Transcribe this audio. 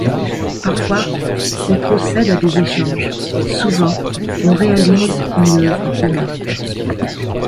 Parfois on procède à des échanges, souvent on réalise une œuvre en commun.